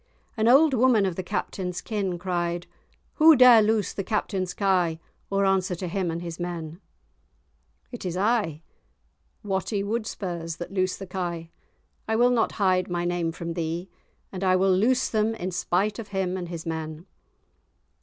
An old woman of the Captain's kin cried, "Who dare loose the Captain's kye, or answer to him and his men?" "It is I, Watty Wudspurs, that loose the kye; I will not hide my name from thee; and I will loose them in spite of him and his men."